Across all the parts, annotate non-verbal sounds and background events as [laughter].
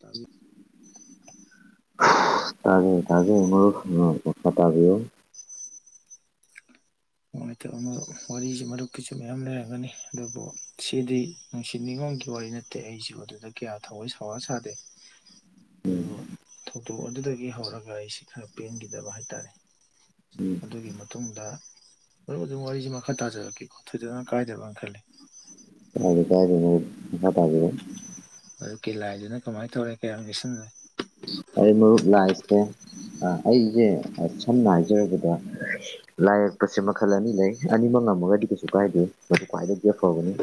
ꯇꯥ ꯇꯖꯦ ꯇꯖꯦ ꯃꯔ ꯁ ꯄꯣꯛ ꯇꯥꯕꯤꯦꯌ ꯍꯣꯏ ꯋꯥꯔꯤꯁꯤ ꯃꯔꯨꯞꯀꯤꯁꯨ ꯃꯌꯥꯝ ꯂꯩꯔꯝꯒꯅꯤ ꯑꯗꯨꯕꯨ ꯁꯤꯗꯤ ꯅꯨꯡꯁꯤꯠ ꯅꯤꯉꯣꯜꯒꯤ ꯋꯥꯔꯤꯅꯤꯠꯇ ꯅꯠꯇꯦ ꯑꯩꯁꯨ ꯑꯗꯨꯗ ꯀꯌꯥ ꯊꯋꯥꯏ ꯁꯋꯥ ꯁꯥꯗꯦ ꯎꯝ ꯑꯗꯨ ꯊꯧꯗꯣꯛ ꯑꯗꯨꯗꯒꯤ ꯍꯧꯔꯒ ꯑꯩꯁꯤ ꯈꯔ ꯄꯦꯟꯈꯤꯗꯕ ꯍꯥꯏꯇꯥꯥꯔꯦ ꯎꯝ ꯑꯗꯨꯒꯤ ꯃꯇꯨꯡꯗ ꯃꯔꯝ ꯑꯗꯨꯝ ꯋꯥꯔꯤꯁꯤꯦ ꯃꯈꯥ ꯇꯥꯖꯔꯛꯀꯦꯀꯣ ꯊꯣꯏꯗꯅ ꯀꯥꯏꯗꯕꯅ ꯈꯜꯂꯤ ꯌꯥ ꯀꯒꯣ ꯃꯈ ꯇꯒꯣ ꯑꯗꯨ ꯀꯦꯂꯥꯏꯗꯨꯅ ꯀꯃꯥꯏꯅ ꯇꯧꯔꯦ ꯀꯌꯥꯝ ꯀꯁꯤꯟꯅꯦ ꯃꯔꯨꯞꯛ ꯂꯁꯦ ꯑꯩꯁꯦ ꯁꯝꯅ ꯍꯥꯏꯖꯔꯕꯗ ꯂꯥꯏ ꯌꯦꯛꯄꯁꯦ ꯃꯈꯜ ꯑꯅꯤ ꯂꯩ ꯑꯅꯤꯃꯛ ꯂꯝꯃꯒꯗꯤ ꯀꯩꯁꯨ ꯀꯥꯏꯗꯦ ꯃꯗꯨ ꯈ꯭ꯋꯥꯏꯗꯒꯤꯦ ꯐꯕꯅꯤ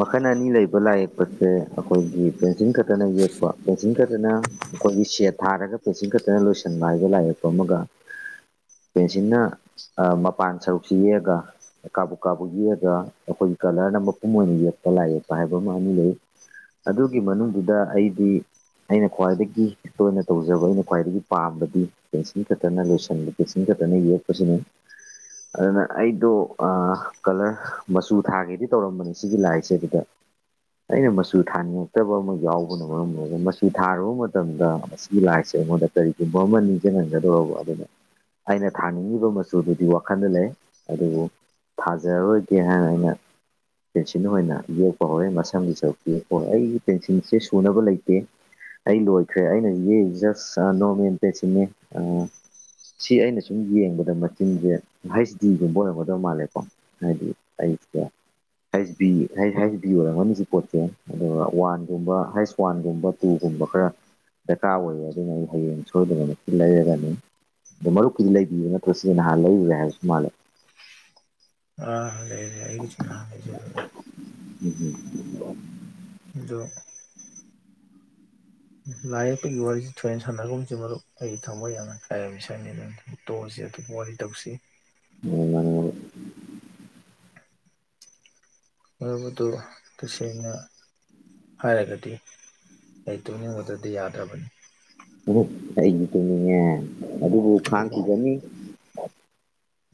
ꯃꯈꯜ ꯑꯅꯤ ꯂꯩꯕ ꯂꯥꯏ ꯌꯦꯛꯄꯁꯦ ꯑꯩꯈꯣꯏꯒꯤ ꯄꯦꯟꯁꯤꯜ ꯈꯛꯇꯅ ꯌꯦꯛꯄ ꯄꯦꯟꯁꯤꯜ ꯈꯛꯇ ꯑꯗꯨꯅ ꯑꯩꯈꯣꯏꯒꯤ ꯁꯦꯠ ꯊꯥꯔꯒ ꯄꯦꯆꯤꯟ ꯈꯛꯇꯅ ꯂꯣꯏꯁꯤꯟꯕ ꯍꯥꯏꯕ ꯂꯥꯏ ꯌꯦꯛꯄ ꯑꯃꯒ ꯄꯦꯟꯁꯤꯜꯅ ꯃꯄꯥꯟ ꯁꯔꯨꯛꯁꯤ ꯌꯦꯛꯑꯒ ꯀꯥꯕꯨ ꯀꯥꯕꯨ ꯌꯦꯛꯑꯒ ꯑꯩꯈꯣꯏꯒꯤ ꯀꯂꯔꯅ ꯃꯄꯨꯝ ꯑꯣꯏꯅ ꯌꯦꯛꯄ ꯂꯥꯏ ꯌꯦꯛꯄ ꯍꯥꯏꯕ ꯑꯃ ꯑ ꯂꯩ ꯑꯗꯨꯒꯤ ꯃꯅꯨꯡꯗꯨꯗ ꯑꯩꯗꯤ ꯑꯩꯅ ꯈ꯭ꯋꯥꯏꯗꯒꯤ ꯇꯣꯏ ꯑꯣꯏꯅ ꯇꯧꯖꯕ ꯑꯩꯅ ꯈ꯭ꯋꯥꯏꯗꯒꯤ ꯄꯥꯝꯕꯗꯤ ꯄꯦꯟꯁꯤꯟ ꯈꯛꯇꯅ ꯂꯣꯏꯁꯤꯟꯕ ꯄꯦꯟꯁꯤꯟ ꯈ ꯗꯅꯤ ꯌꯦ ꯀꯁꯤꯅꯤ ꯑꯗꯨꯅ ꯑꯩꯗꯣ ꯀꯂꯔ ꯃꯆꯨ ꯊꯥꯒꯦꯗꯤ ꯇꯧꯔꯝꯕꯅꯤ ꯁꯤꯒꯤ ꯂꯥꯏꯁꯦ ꯑꯗꯨꯗ ꯑꯩꯅ ꯃꯆꯨ ꯊꯥꯅꯤꯡꯉꯛꯇꯕ ꯑꯃ ꯌꯥꯎꯕꯅ ꯃꯔꯝ ꯑꯣꯏꯔꯒ ꯄꯤ ꯊꯥꯔꯨꯕ ꯃꯇꯝꯗ ꯑꯁꯤꯒꯤꯒꯤ ꯂꯥꯏꯁꯦ ꯑꯩꯉꯣꯟꯗ ꯀꯔꯤꯒꯨꯝꯕ ꯑꯃ ꯅꯤꯡꯁꯤꯡꯍꯟꯒꯗꯧꯕ ꯑꯗꯨꯅ ꯑꯩꯅ ꯊꯥꯅꯤꯡꯉꯤꯕ ꯃꯆꯨꯗꯨꯗꯤ ꯋꯥꯈꯜꯗ ꯂꯩ ꯑꯗꯨꯕꯨ ꯊꯥꯖꯔꯔꯣꯏꯒꯦ ꯍꯥꯏꯅ ꯑꯩꯅ ꯄꯦꯟꯁꯤꯜ ꯑꯣꯏꯅ ꯌꯦꯛꯄ ꯍꯧꯋꯦ ꯃꯁꯝꯒꯤ ꯁꯔꯨꯛꯇꯤ ꯑꯣ ꯑꯩꯒꯤ ꯄꯦꯟꯁꯤꯜꯁꯦ ꯁꯨꯅꯕ ꯂꯩꯇꯦ ꯑꯩ ꯂꯣꯏꯈ꯭ꯔꯦ ꯑꯩꯅ ꯖꯁ ꯅꯣꯔꯃꯦꯜ ꯄꯦꯁꯤꯅꯤ ꯁꯤ ꯑꯩꯅ ꯁꯨꯝ ꯌꯦꯡꯕꯗ ꯃꯆꯤꯟꯁꯦ ꯍꯩꯁ ꯗꯤꯒꯨꯝꯕ ꯑꯣꯏꯔꯝꯒꯗꯧ ꯃꯥꯜꯂꯦꯀꯣ ꯍꯥꯏꯗꯤ ꯑꯩ ꯑꯦ ꯍꯩꯁ ꯕꯤ ꯍ ꯍꯩꯁ ꯕꯤ ꯑꯣꯏꯔꯝꯒꯅꯤ ꯁꯤ ꯄꯣꯠꯁꯦ ꯑꯗꯨꯒ ꯋꯥꯟꯒꯨꯝꯕ ꯍꯩꯁ ꯋꯥꯟꯒꯨꯝꯕ ꯎꯄꯨꯒꯨꯝꯕ ꯈꯔ ꯗꯔꯀꯥꯔ ꯑꯣꯏꯌꯦ ꯑꯗꯨꯅ ꯑꯩ ꯍꯌꯦꯡ ꯁꯣꯏꯗꯅꯃꯛꯇꯤ ꯂꯩꯔꯒꯅꯤ ꯑꯗꯣ ꯃꯔꯨꯞꯀꯤꯗꯤ ꯂꯩꯕꯤꯌꯦ ꯅꯠꯇ꯭ꯔꯣ ꯁꯤꯁ ꯅꯍꯥꯟ ꯂꯩꯔꯨꯔꯦ ꯍꯥꯏꯕꯁꯨ ꯃꯥꯜꯂꯦ ꯑꯥ ꯍ ꯂꯩ ꯂꯩ ꯑꯩ ꯅꯦꯔꯔ ꯌꯦꯖꯣ ꯑꯗꯨꯣ ꯂꯥꯏ ꯌꯦꯛꯄꯒꯤ ꯋꯥꯔꯤꯁꯤ ꯊꯣꯏꯅ ꯁꯥꯟꯅꯒꯨꯝꯁꯤ ꯃꯔꯨꯞ ꯑꯩ ꯊꯃꯣꯏ ꯌꯥꯝꯅ ꯀꯥꯏꯔꯃꯤ ꯁꯅꯤ ꯑꯗꯨ ꯇꯣꯁ ꯑꯗꯨ ꯋꯥ ꯇꯧꯕꯁꯤ ꯑ ꯑꯗꯨꯕꯗꯨ ꯇꯁꯩꯅ ꯍꯥꯏꯔꯒꯗꯤ ꯑꯩ ꯇꯨꯡꯅꯤꯡꯕꯗꯗꯤ ꯌꯥꯗ꯭ꯔꯕꯅꯤ ꯎ ꯑꯩꯒꯤ ꯇꯅꯤꯡꯉꯦ ꯑꯗꯨꯕꯨ ꯈꯥꯡꯈꯤꯒꯅꯤ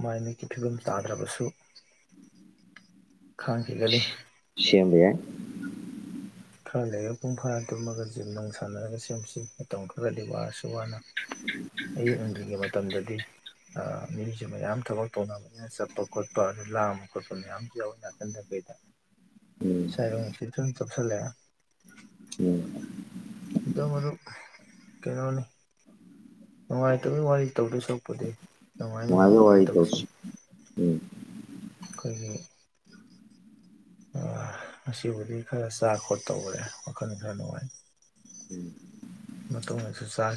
ꯃꯥꯏ ꯃꯤꯀꯤ ꯐꯤꯕꯝ ꯇꯥꯗ꯭ꯔꯕꯁꯨ ꯈꯥꯡꯈꯤꯦꯒꯔꯤ ꯁꯦꯝꯕ ꯌꯥꯏ ꯈꯔ ꯂꯩꯔ ꯄꯨꯡ ꯐꯥ ꯇꯨꯝꯃꯒ ꯖꯤꯝ ꯅꯅꯨꯡ ꯁꯥꯟꯅꯔꯒ ꯁꯦꯝꯁꯤ ꯃꯇꯝ ꯈꯔꯗꯤ ꯋꯥꯔꯁꯤ ꯁ ꯋꯥꯅ ꯑꯌꯨꯛ ꯑꯗꯤꯡꯉꯩ ꯃꯇꯝꯗꯗꯤ ꯃ꯭ꯌꯨꯖꯝ ꯃꯌꯥꯝ ꯊꯕꯛ ꯇꯧꯅꯕꯅꯤꯅ ꯆꯠꯄ ꯈꯣꯠꯄ ꯑꯗꯨ ꯂꯥꯡꯕ ꯈꯣꯠꯄ ꯃꯌꯥꯝꯁꯨ ꯌꯥꯎ ꯅꯥꯀꯟꯗ ꯎꯝ ꯁꯔ ꯎ ꯀꯇ ꯇꯞꯁꯂꯦ ꯎꯝ ꯑꯗꯣ ꯃꯔꯨꯞ ꯀꯩꯅꯣꯅꯤ ꯅꯨꯡꯉꯥꯏꯇꯕꯒꯤ ꯋꯥꯔꯤ ꯇꯧꯗꯦ ꯁꯣꯛꯄꯗꯤ ꯀꯃꯥꯏ ꯃꯥꯏ ꯅꯨꯡꯉꯥꯏꯕ ꯋꯥꯏꯜ ꯋꯥꯔꯤ ꯇꯞꯁꯤ ꯇꯧꯁꯤ ꯎꯝ ꯑꯩꯈꯣꯏ ꯑꯁꯤꯕꯨꯗꯤ ꯈꯔ ꯆꯥ ꯈꯣꯠ ꯇꯈꯔꯦ ꯋꯥꯈꯜ ꯈꯔ ꯅꯨꯡꯉꯥꯏ ꯎꯝ ꯃ ꯇꯣꯡꯁꯨ ꯁꯥꯥ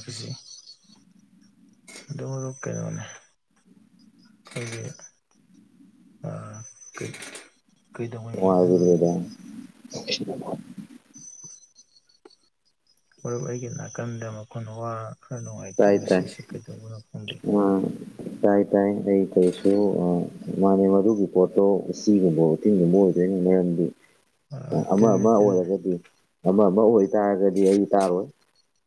ꯑꯗꯨꯃ ꯂꯨꯞ ꯀꯩꯅꯅꯦ ꯑꯗꯨ ꯑ ꯀꯩꯗꯧꯉꯩ ꯍꯥꯏꯅ ꯂꯨꯝꯃꯤ ꯏ ꯃꯔꯨꯞ ꯑꯩꯒꯤ ꯅꯥꯀꯟꯗ ꯃꯈꯅ ꯋꯥ ꯈꯔ ꯅꯨꯡꯉꯥꯏꯇꯦ ꯇꯥꯏ ꯇꯥꯏ ꯉꯁꯤꯁꯦ ꯀꯩꯗꯧꯕꯅꯣ ꯈꯪꯗꯦ ꯑꯥ ꯇꯥꯏ ꯇꯥꯏ ꯑꯩ ꯀꯔꯤꯁꯨ ꯃꯥꯥꯟꯅꯦ ꯃꯗꯨꯒꯤ ꯄꯣꯠꯇꯣ ꯎꯆꯤꯒꯨꯝꯕ ꯎꯇꯤꯟꯒꯨꯝꯕ ꯑꯣꯏꯗꯣꯏ ꯃꯔꯝꯗꯤ ꯑꯃ ꯇꯤꯟꯅ ꯑꯃ ꯇꯤꯟ ꯑꯣꯏꯔꯒꯗꯤ ꯑꯃ ꯑꯃ ꯑꯣꯏꯇꯥꯔꯒꯗꯤ ꯑꯩ ꯇꯥꯔꯣꯏ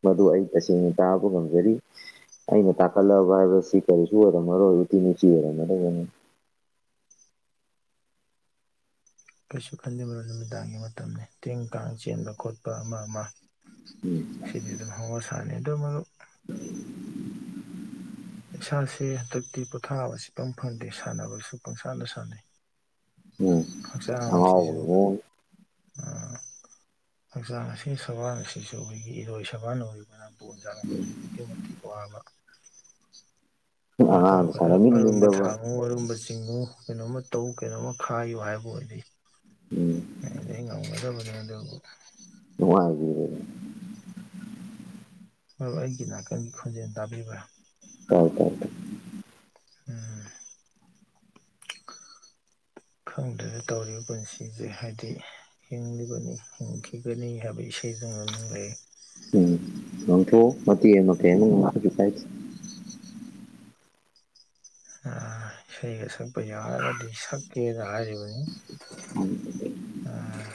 ꯃꯗꯨ ꯑꯩ ꯇꯁꯦꯡꯅ ꯇꯥꯕ ꯉꯝꯖꯔꯤ ꯑꯩꯅ ꯇꯥꯛꯀꯠꯂꯑꯕ ꯍꯥꯏꯕ ꯁꯤ ꯀꯔꯤꯁꯨ ꯑꯣꯏꯔꯝꯃꯔꯣꯏ ꯇꯤ ꯅꯨꯡꯆꯤ ꯑꯣꯏꯔꯝꯃꯗꯕꯅꯤ [inaudible] ꯀꯩꯁꯨ ꯈꯟꯜꯂꯤꯦꯕꯣ ꯅꯨꯃꯤꯗꯥꯡꯒꯤ ꯃꯇꯝꯅꯤ ꯇꯤꯟ ꯀꯥꯡ ꯆꯦꯟꯕ ꯈꯣꯠꯄ ꯑꯃ ꯑꯃ ꯎꯝ ꯁꯤꯗꯤ ꯑꯗꯨ ꯍ ꯁꯅꯤꯗ ꯃ ꯏꯁꯥꯁꯦ ꯍꯟꯗꯛꯇꯤ ꯄꯣꯊꯥꯕ ꯆꯤꯄꯪ ꯐꯪꯗꯦ ꯁꯥꯟꯅꯕꯁꯨ ꯄꯪꯁꯥꯅ ꯁꯥꯟꯅꯩ ꯎꯝ ꯍꯛꯆꯥꯡ ꯑꯁꯤꯁꯨ ꯑꯉꯥꯎꯕꯒꯤ ꯃꯑꯣꯡ ꯎꯝ ꯍꯛꯆꯥꯡ ꯑꯁꯤ ꯁꯕꯥꯟ ꯑꯁꯤꯁꯨ ꯑꯩꯈꯣꯏꯒꯤ ꯏꯔꯣꯏ ꯁꯕꯥꯟ ꯑꯣꯏꯕꯅ ꯣꯟ ꯁꯥꯟꯔꯛꯄꯁꯨ ꯑꯗꯨꯛꯀꯤ ꯃꯇꯤꯛ ꯋꯥꯕ ꯑꯉꯥꯡꯅ ꯈꯣꯏ ꯑꯔꯨꯝꯕ ꯁꯥꯟꯅꯃꯤꯟꯅꯅꯤꯡꯗꯕ ꯊꯥꯡꯉꯨ ꯑꯔꯨꯝꯕꯁꯤ ꯆꯤꯡꯉꯨ ꯀꯩꯅꯣꯝꯃ ꯇꯧ ꯀꯩꯅꯣꯝꯃ ꯈꯥꯏꯌꯨ ꯎꯝ ꯍꯥꯏꯕꯕꯨꯗꯤꯗꯤ ꯉꯝꯒꯗꯕ ꯑꯗꯨꯗ ꯅꯨꯡꯉꯥꯏꯒ ꯃꯔ ꯑꯩꯒꯤ ꯅꯥꯀꯟꯒꯤ ꯈꯣꯟꯖꯦꯜ ꯇꯥꯕꯤꯕ꯭ꯔꯥ ꯀ ꯀ ꯎꯝ ꯈꯪꯗꯅ ꯇꯧꯔꯤꯕ ꯄꯨꯟꯁꯤꯁꯦ ꯍꯥꯏꯗꯤ ꯍꯤꯡꯂꯤꯕꯅꯤ ꯍꯤꯡꯈꯤꯒꯅꯤ ꯍꯥꯏꯕꯒꯤ ꯄꯁꯖ ꯃꯅꯨꯡ ꯂꯩ ꯎꯝ ꯉꯪꯊꯣꯛꯑꯣ ꯃꯇꯦꯛ ꯑꯃ ꯑꯃꯦ ꯂꯥꯛꯑꯁꯨ ꯀꯥꯏ ꯏꯁꯩꯒ ꯁꯛꯄ ꯌꯥꯔꯒꯗꯤ ꯁꯛꯀꯦꯅ ꯍꯥꯏꯔꯤꯕꯅꯤ ꯑꯥ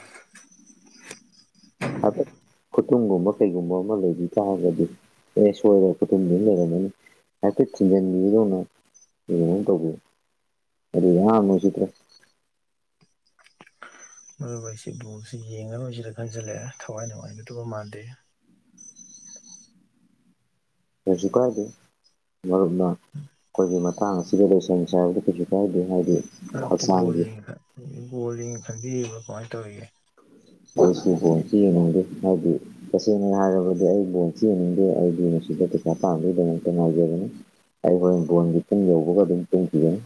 ꯍꯥꯏꯐꯦꯠ [inaudible] ꯈꯨꯇꯨꯝꯒꯨꯝꯕ ꯀꯩꯒꯨꯝꯕ ꯑꯃ ꯂꯩꯕꯤ ꯇꯥꯔꯒꯗꯤ ꯑꯦ ꯁꯣꯏꯔ ꯈꯨꯇꯨꯝꯗꯨꯅ ꯂꯩꯔꯝꯃꯅꯤ ꯑ ꯄꯤ ꯊꯤꯟꯖꯟꯕꯤꯗꯣꯅ ꯌꯦꯅ ꯇꯧꯒ ꯑꯗꯨ ꯃꯨꯁꯤꯗ꯭ꯔꯦ ꯃꯔꯨꯕ ꯑꯩꯁꯦ ꯕꯣꯁꯤ ꯌꯦꯡꯉꯔꯣꯏꯁꯤꯗ ꯈꯟꯖꯤꯜꯂꯛꯑꯦ ꯊꯋꯥꯏ ꯅꯨꯡꯉꯥꯏꯒꯗꯕ ꯃꯥꯟꯗꯦ ꯁꯁꯤ ꯀꯥꯏꯗꯦ ꯃꯔꯨꯞꯅ ꯑꯩꯈꯣꯏꯒꯤ ꯃꯇꯥꯡ ꯑꯁꯤꯗ ꯂꯣꯏꯁꯪ ꯁꯥꯕꯗꯤ ꯀꯩꯁꯨ ꯀꯥꯏꯗꯦ ꯍꯥꯏꯗꯤ ꯑꯗꯨꯛꯇꯤꯣ ꯍꯛꯆꯥꯡꯒꯤ ꯣꯂꯤꯡ ꯈꯟꯕꯤꯔꯤꯕ ꯀꯃꯥꯏꯅ ꯇꯧꯔꯤꯒꯦ ꯑꯩꯁꯨ ꯕꯣꯟꯁꯨ ꯌꯦꯡꯅꯤꯡꯗꯦ ꯍꯥꯏꯗꯤ ꯇꯁꯦꯡꯅ ꯍꯥꯏꯔꯕꯗꯤ ꯑꯩ ꯕꯣꯟꯁꯨ ꯌꯦꯡꯅꯤꯡꯗꯦ ꯑꯩꯗꯤ ꯌꯦ ꯁꯤꯗ ꯄꯩꯁꯥ ꯄꯥꯡꯝꯗꯨꯒꯤꯗꯃꯛꯇ ꯉꯥꯏꯖꯒꯅꯤ ꯑꯩ ꯍꯣꯔ ꯕꯣꯟꯒꯤꯇꯟ ꯌꯧꯕꯒ ꯑꯗꯨꯝ ꯇꯦꯟꯈꯤꯒꯅꯤ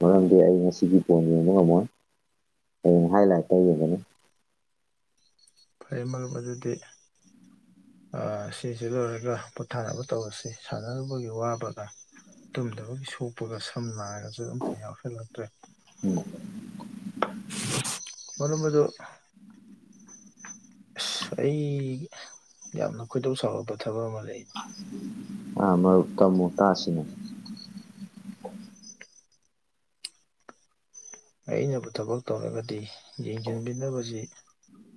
ꯃꯔꯝꯗꯤ ꯑꯩ ꯉꯁꯤꯗꯤ ꯐꯣꯟꯅꯤꯡꯕ ꯑꯃ ꯀꯅ ꯍꯥꯏꯂꯥꯏꯠ ꯇꯧꯕꯅꯤ ꯐꯩ ꯃꯔ ꯑꯗꯨꯗꯤ ꯁꯤꯁꯤ ꯂꯣꯏꯔꯒ ꯄꯣꯊꯥꯅꯕ ꯇꯧꯔꯁꯤ ꯁꯥꯟꯅꯔꯨꯅꯕꯒꯤ ꯋꯥꯕꯒ ꯇꯨꯝꯗꯕꯒꯤ ꯁꯣꯛꯄꯒ ꯁꯝ ꯂꯅꯥꯔꯒꯁꯨ ꯑꯝꯇ ꯌꯥꯎꯁꯜꯂꯛꯇ꯭ꯔꯦ ꯎꯝ ꯃꯔꯝꯕ ꯑꯗꯨ ꯑꯁ ꯑꯩ ꯌꯥꯝꯅ ꯈꯣꯏꯗꯧ ꯆꯥꯎꯕ ꯊꯕꯛ ꯑꯃ ꯂꯩ ꯑ ꯃꯔꯨꯞ ꯇꯃꯨ ꯇꯥꯁꯤꯅꯦ ꯑꯩꯅꯕꯨ ꯊꯕꯛ ꯇꯧꯔꯒꯗꯤ ꯌꯦꯡꯁꯤꯟꯕꯤꯅꯕꯁꯤ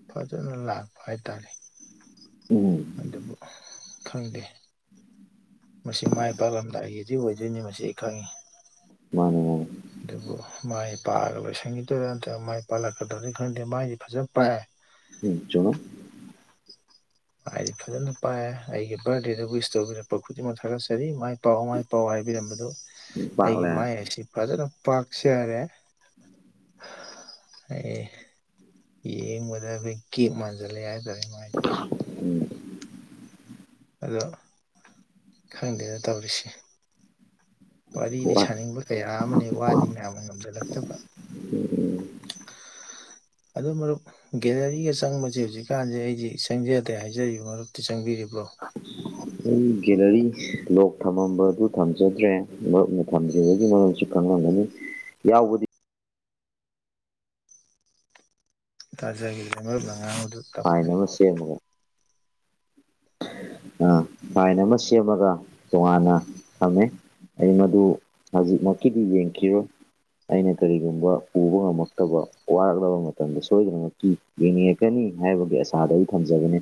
ꯐꯖꯅ ꯂꯛꯄ ꯍꯥꯏꯇꯥꯔꯦ ꯎꯝ ꯑꯗꯨꯕꯨ ꯈꯪꯗꯦ ꯃꯁꯤ ꯃꯥꯏ ꯄꯥꯛꯂꯝꯗꯥꯏꯒꯤꯗꯤ ꯑꯣꯏꯗꯣꯏꯅꯤ ꯃꯁꯤ ꯑꯩ ꯈꯪꯉꯤ ꯃꯥꯅꯦ ꯃꯥꯅꯦ ꯑꯗꯨꯕꯨ ꯃꯥꯏ ꯄꯥꯛꯑꯒ ꯂꯣꯏꯁꯟꯈꯤꯗꯣꯏꯔꯥ ꯅꯠꯇ꯭ꯔꯒ ꯃꯥꯏ ꯄꯥꯛꯜꯂꯛꯀꯗꯧꯗꯤ ꯈꯪꯗꯦ ꯃꯥꯏꯗꯤ ꯐꯖꯅ ꯄꯥꯛꯑꯦ ꯎꯝ ꯆꯅꯣ ꯍꯥꯏꯗꯤ ꯐꯖꯅ ꯄꯥꯏꯑ ꯑꯩꯒꯤ ꯕꯥꯔꯗꯦꯗ ꯋꯤꯁ ꯇꯧꯕꯤꯔꯛꯄ ꯈꯨꯗꯤꯡꯃꯛ ꯊꯥꯒꯠꯆꯔꯤ ꯃꯥꯏ ꯄꯥꯎ ꯃꯥꯏ ꯄꯥꯎ ꯍꯥꯏ ꯍꯥꯏꯕꯤꯔꯝꯕꯗꯨ ꯑꯩꯒꯤ ꯄꯥꯛꯂꯦ ꯃꯥꯏ ꯑꯁꯤ ꯐꯖꯅ ꯄꯥꯛꯆꯔꯦ ꯑꯦ ꯍ ꯃꯗꯕꯀꯤ ꯃꯟꯖꯂꯦꯏ ꯇꯔꯃ ꯑꯗꯣ ꯈꯪꯗꯦꯅ ꯇꯧꯔꯤꯁꯦ ꯋꯥꯔꯤꯗꯤ ꯁꯥꯅꯤꯡꯕ ꯀꯌꯥ ꯑꯃꯅꯤ ꯋꯥꯗꯤ ꯉꯅ ꯉꯝꯖꯜꯂꯛꯇꯕ ꯑꯗꯨ ꯃꯔꯨꯞ ꯒꯦꯂꯔꯤꯒ ꯆꯪꯕꯁꯤ ꯍꯧꯖꯤꯛꯀꯥꯟꯁꯦ ꯑꯩꯗꯤ ꯆꯪꯖꯗꯦ ꯍꯥꯏꯖꯔꯤꯕ ꯃꯔꯨꯞꯇꯤ ꯆꯪꯕꯤꯔꯤꯕ [unintelligible] ꯒꯦꯂꯔꯤ ꯂꯣꯛ ꯊꯝꯃꯝꯕ ꯑꯗꯨ ꯊꯝꯖꯗ꯭ꯔꯦ ꯃꯔꯨꯞꯅ ꯊꯝꯗ꯭ꯔꯤꯕꯒꯤ ꯃꯔꯝꯁꯤ ꯈꯪꯂꯝꯒꯅꯤ ꯌꯥꯎꯕꯗꯤ ꯇꯥꯖꯒ ꯉ ꯐꯥꯏꯅ ꯃꯁ ꯑꯃꯒ [unintelligible] ꯑꯥ ꯐꯥꯏꯟ ꯑꯃ ꯁꯦꯝꯃꯒ ꯇꯣꯉꯥꯟꯅ ꯊꯝꯃꯦ ꯑꯩ ꯃꯗꯨ ꯍꯧꯖꯤꯛꯃꯛꯀꯤꯗꯤ ꯌꯦꯡꯈꯤꯔꯣꯏ ꯑꯩꯅ ꯀꯔꯤꯒꯨꯝꯕ ꯎꯕ ꯉꯝꯃꯛꯇꯕ ꯋꯥꯔꯛꯂꯕ ꯃꯇꯝꯗ ꯁꯣꯏꯗꯅꯃꯛꯀꯤ ꯌꯦꯡꯅꯤꯡꯉꯛꯀꯅꯤ ꯍꯥꯏꯕꯒꯤ ꯑꯁꯥꯗ ꯑꯩ ꯊꯝꯖꯕꯅꯦ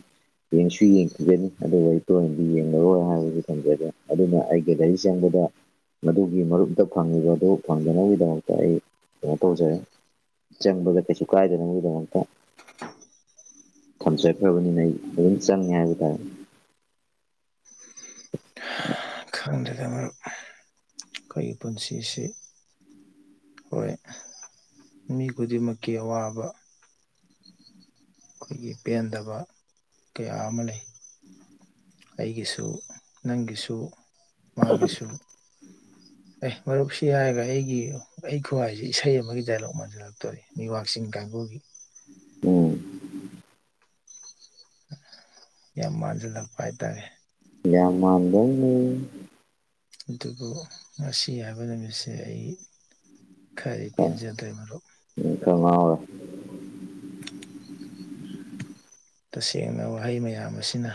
ꯌꯦꯡꯁꯨ ꯌꯦꯡ ꯊꯝꯖꯅꯤ ꯑꯗꯨꯒ ꯑꯩ ꯇꯣꯏꯅꯗꯤ ꯌꯦꯡꯉꯔꯣꯏ ꯍꯥꯏꯕꯗꯨ ꯊꯝꯖꯒꯦ ꯑꯗꯨꯅ ꯑꯩꯒꯤ ꯒꯥꯔꯤ ꯆꯪꯕꯗ ꯃꯗꯨꯒꯤ ꯃꯔꯨꯞꯇ ꯐꯪꯉꯤꯕ ꯑꯗꯨ ꯐꯪꯗꯅꯕꯒꯤꯗꯃꯛꯇ ꯑꯩ ꯀꯩꯅꯣ ꯇꯧꯖꯔꯦ ꯆꯪꯕꯗ ꯀꯩꯁꯨ ꯀꯥꯏꯗꯦ ꯅ ꯃꯤꯗꯇ ꯊꯝꯖꯈ꯭ꯔꯕꯅꯤꯅ ꯑꯩ ꯑꯗꯨꯝ ꯆꯪꯉꯦ ꯍꯥꯏꯕ ꯇꯥꯔꯦ ꯈꯪꯗꯦꯗ ꯃꯔꯨꯞ ꯑꯩꯈꯣꯏꯒꯤ ꯄꯨꯟꯁꯤꯁꯤ ꯍꯣꯏ ꯃꯤ ꯈꯨꯗꯤꯡꯃꯛꯀꯤ ꯑꯋꯥꯕ ꯑꯩꯈꯣꯏꯒꯤ ꯄꯦꯟꯗꯕ ꯀꯌꯥ ꯑꯃ ꯂꯩ ꯑꯩꯒꯤꯁꯨ ꯅꯪꯒꯤꯁꯨ ꯃꯥꯒꯤꯁꯨ ꯑꯦ ꯃꯔꯨꯞꯁꯤ ꯍꯥꯏꯔꯒ ꯑꯩꯒꯤ ꯑꯩ ꯈꯨꯋꯥꯏꯁꯤ ꯏꯁꯩ ꯑꯃꯒꯤ ꯗꯥꯏꯂꯣꯛ ꯃꯟꯖꯜꯂꯛꯇꯣꯔꯤ ꯃꯤꯋꯥꯛ ꯆꯤꯡ ꯀꯥꯡꯕꯨꯨꯒꯤ [unintelligible] ꯎꯝ ꯌꯥꯝ ꯃꯥꯟꯁꯤꯂꯥꯛꯄꯥꯏꯇꯥꯔꯦ ꯌꯥꯃꯗꯅꯤ ꯑꯗꯨꯕꯨ ꯉꯁꯤ ꯍꯥꯏꯕ ꯅꯨꯃꯤꯠꯁꯦ ꯑꯩ ꯈꯔꯤ ꯄꯖꯟ ꯇꯃꯔꯣ ꯈꯔ [inaudible] ꯇꯁꯦꯡꯅ ꯋꯥꯍꯩ ꯃꯌꯥꯝ ꯑꯁꯤꯅ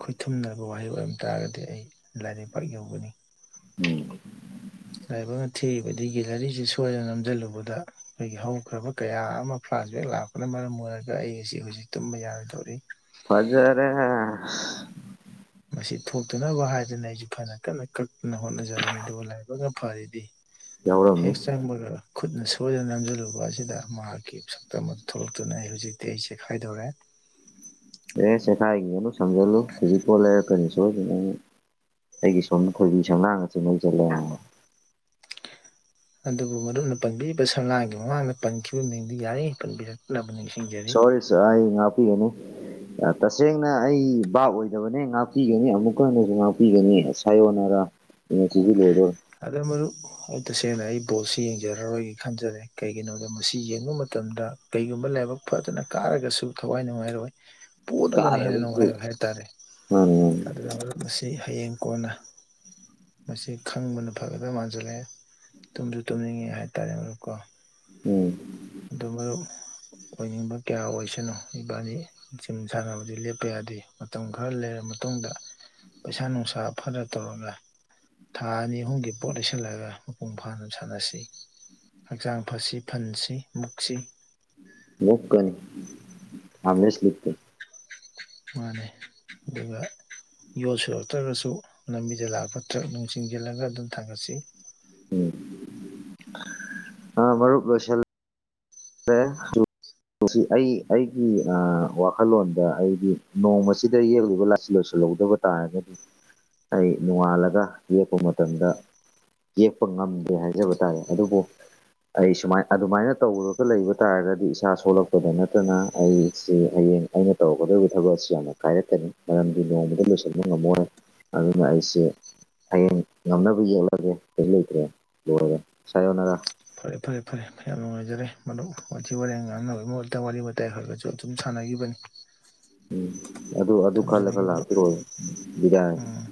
ꯈꯨꯣꯏꯠꯊꯨꯝꯅꯔꯕ ꯋꯥꯍꯩ ꯑꯣꯏꯔꯝ ꯇꯥꯔꯒꯗꯤ ꯑꯩ ꯂꯥꯏꯔꯩ ꯄꯥꯛ ꯌꯧꯒꯅꯤ ꯂꯥꯏꯕꯛꯅ ꯊꯤꯕꯗꯤ ꯒꯦꯂꯔꯤꯁꯤ ꯁꯣꯏꯗꯅ ꯅꯝꯁꯤꯜꯂꯨꯕꯗ ꯑꯩꯈꯣꯏꯒꯤ ꯍꯧꯈ꯭ꯔꯕ ꯀꯌꯥ ꯑꯃ ꯥꯁꯕꯦꯛ ꯂꯥꯛꯄꯅ ꯃꯔꯝ ꯑꯣꯏꯔꯒ ꯑꯩ ꯑꯁꯤ ꯍꯧꯖꯤꯛ ꯇꯨꯝꯕ ꯌꯥꯔꯣꯏꯗꯧꯔꯤ ꯐꯖꯔꯦ ꯃꯁꯤ ꯊꯣꯛꯇꯅꯕ ꯍꯥꯏꯗꯅ ꯑꯩꯁꯨ ꯐꯅ ꯀꯟꯅ ꯀꯛꯇꯅ ꯍꯣꯠꯅꯖꯕꯅꯤ ꯑꯗꯨꯕꯨ ꯂꯥꯏꯕꯛꯅ ꯐꯔꯤꯗꯤ ꯌꯥꯎꯔꯝꯃꯤ ꯍꯦꯛꯦꯛꯁ ꯇꯥꯏꯝꯕꯒꯦꯔ ꯈꯨꯠꯅ ꯁꯣꯏꯗꯅ ꯅꯝꯁꯤꯜꯂꯨꯕ ꯑꯁꯤꯗ ꯃꯍꯥꯛꯀꯤ ꯁꯛꯇꯝ ꯑꯗꯨ ꯊꯣꯛꯂꯛꯇꯨꯅ ꯑꯩ ꯍꯧꯖꯤꯛꯇꯤ ꯑꯩ ꯆꯦꯈꯥꯏꯗꯧꯔꯦ [inaudible] ꯑꯦ ꯆꯦꯈꯥꯏ ꯌꯦꯤꯡꯒꯅꯨ ꯁꯝꯖꯜꯂꯨ ꯀꯨꯕꯤ ꯄꯣ ꯂꯩꯔꯛ ꯀꯅꯤ ꯁꯣꯏꯗꯅ ꯑꯩꯒꯤ ꯁꯣꯝ ꯈꯣꯏꯕꯤ ꯁꯝꯅꯥꯥꯡꯁ ꯃꯣꯏꯁꯜꯂꯦꯔ ꯑꯗꯨꯕꯨ ꯃꯔꯗꯨꯨꯞꯅ ꯄꯟꯕꯤꯔꯤꯕ ꯁꯂꯥꯒꯤ ꯃꯃꯥꯡꯗ ꯄꯟꯈꯤꯕ ꯃꯤꯡꯗꯨ ꯌꯥꯔꯤ ꯄꯟꯕꯤꯔꯛꯇꯕꯅꯤ ꯁꯣꯔꯤ ꯁ ꯑ ꯏ ꯉꯤꯒꯦꯅꯤ ꯇꯁꯦꯡꯅ ꯑꯩ ꯕꯥꯞ ꯑꯣꯏꯗꯕꯅꯦ ꯉꯥꯛꯄꯤꯒꯅꯤ ꯑꯃꯨꯛꯀ ꯍꯟꯅꯁꯨ ꯉꯥꯛꯄꯤꯒꯅꯤ ꯁꯥꯏꯌꯣꯅꯔꯥ ꯑ ꯆꯒꯤ ꯂꯣꯏꯗꯣ ꯑꯗ ꯃ ꯑꯩ ꯇꯁꯦꯡꯅ ꯑꯩ ꯕꯣꯜꯁꯤ ꯌꯦꯡꯖꯔꯔꯣꯏꯒ ꯈꯟꯖꯔꯦ ꯀꯩꯒꯤꯅꯣꯗ ꯃꯁꯤ ꯌꯦꯡꯕ ꯃꯇꯝꯗ ꯀꯩꯒꯨꯝꯕ ꯂꯥꯏꯕꯛ ꯐꯗꯅ ꯀꯥꯔꯒꯁꯨ ꯊꯋꯥꯏ ꯅꯨꯡꯉꯥꯏꯔꯣꯏ ꯄꯣꯠꯂꯒꯅ ꯍꯦꯟꯅ ꯀꯥꯗ꯭ꯔꯒꯁꯨ ꯅꯨꯡꯉꯥꯏꯕ ꯍꯥꯏꯇꯥꯔꯦ ꯃꯥꯅꯤ ꯃꯥꯅꯤ ꯑꯗꯨꯅ ꯃꯁꯤ ꯍꯌꯦꯡ ꯀꯣꯟꯅ ꯃꯁꯤ ꯈꯪꯕꯅ ꯐꯒꯗꯕ ꯃꯥꯟꯁꯤꯜꯂꯛꯑꯦ ꯇꯨꯝꯁꯨ ꯇꯨꯝꯅꯤꯡꯉꯦ ꯍꯥꯏꯇꯥꯔꯦ ꯃꯔꯨꯞꯀꯣ ꯎꯝ ꯑꯗ ꯃ ꯑꯣꯏꯅꯤꯡꯕ ꯀꯌꯥ ꯑꯣꯏꯁꯅꯨ ꯏꯕꯥꯅꯤ ꯖꯤꯝ ꯁꯥꯟꯅꯕꯗꯤ ꯂꯦꯞꯄ ꯌꯥꯗꯦ ꯃꯇꯝ ꯈꯔ ꯂꯩꯔꯝꯕ ꯃꯇꯨꯡꯗ ꯄꯩꯁꯥ ꯅꯨꯡꯁꯥ ꯐꯔ ꯇꯧꯔꯒ ꯊꯥ ꯑꯅꯤ ꯑꯍꯨꯝꯒꯤ ꯄꯣꯠ ꯂꯩꯁꯤꯜꯂꯒ ꯃꯄꯨꯡ ꯐꯥꯅ ꯁꯥꯟꯅꯁꯤ ꯍꯛꯆꯥꯡ ꯐꯁꯤ ꯐꯟꯁꯤ ꯃꯨꯛꯁꯤ ꯃꯀꯅꯤ ꯑꯃꯦꯁ ꯂꯤꯇ ꯃꯥꯅꯦ ꯑꯗꯨꯒ ꯌꯣꯜ ꯁꯨꯔꯛꯇ꯭ꯔꯒꯁꯨ ꯂꯝꯕꯤꯗ ꯂꯥꯛꯄ ꯇ꯭ꯔꯛ ꯅꯨꯡ ꯆꯤꯡꯖꯤꯜꯂꯒ ꯑꯗꯨꯝ ꯊꯥꯡꯒꯠꯁꯤ ꯑ ꯃꯔꯨꯞ ꯂꯣꯏꯁꯤꯜꯦ ꯑꯩ ꯑꯩꯒꯤ ꯋꯥꯈꯜꯂꯣꯟꯗ ꯑꯩꯗꯤ ꯅꯣꯡꯃ ꯑꯁꯤꯗ ꯌꯦꯛꯂꯤꯕ ꯂꯥꯏꯁꯤꯜ ꯂꯣꯏꯁꯤꯜꯂ ꯌꯗꯕ ꯇꯥꯔꯒꯗꯤ ꯑꯩ ꯅꯣꯡꯉꯥꯜꯂꯒ ꯌꯦꯛꯄ ꯃꯇꯝꯗ ꯌꯦꯛꯄ ꯉꯝꯗꯦ ꯍꯥꯏꯖꯕ ꯇꯥꯥꯏꯦ ꯑꯗꯨꯕꯨ ꯑꯩ ꯁꯨꯃꯥꯏ ꯑꯗꯨꯃꯥꯏꯅ ꯇꯧꯔꯒ ꯂꯩꯕ ꯇꯥꯔꯒꯗꯤ ꯏꯁꯥ ꯁꯣꯛꯂꯛꯄꯗ ꯅꯠꯇꯅ ꯑꯩꯁꯤ ꯍꯌꯦꯡ ꯑꯩꯅ ꯇꯧꯔꯛꯀꯗꯧꯔꯤꯕ ꯊꯕꯛ ꯑꯁꯤ ꯌꯥꯝꯅ ꯀꯥꯏꯔꯛꯀꯅꯤ ꯃꯔꯝꯗꯤ ꯅꯣꯡꯃꯗ ꯂꯣꯏꯁꯤꯟꯕ ꯉꯝꯃꯣꯏ ꯑꯗꯨꯅ ꯑꯩꯁꯦ ꯍꯌꯦꯡ ꯉꯝꯅꯕ ꯌꯦꯛꯂꯒꯦ ꯀꯔꯤ ꯂꯩꯇ꯭ꯔꯦ ꯂꯣꯏꯔꯦ ꯏꯁꯥ ꯌꯣꯟꯅꯒ ꯐꯔꯦ ꯐꯔꯦ ꯐꯔꯦ ꯌꯥꯝ ꯅꯨꯡꯉꯥꯏꯖꯔꯦ ꯃꯔꯨꯞꯊꯤ ꯋꯥꯔꯦꯡ ꯉꯥꯡꯅꯕꯒꯤ ꯃꯍꯨꯠꯇ ꯋꯥꯔꯤ ꯋꯥꯇꯥꯏ ꯍꯥꯏꯔꯒꯁꯨ ꯑꯗꯨꯝ ꯁꯥꯟꯅ ꯂꯕꯅꯤ ꯎꯝ ꯑꯗꯨ ꯑꯗꯨ ꯈꯜꯂꯒ ꯃꯔꯨꯞ ꯂꯥꯛꯄꯤꯔꯣ ꯕꯤꯔꯌꯥꯅꯤ ꯎꯝ